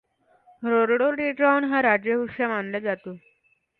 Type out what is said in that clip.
Rhododendron हा राज्यवृक्ष मानला जातो.